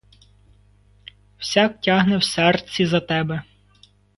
Всяк тягне в серці за тебе;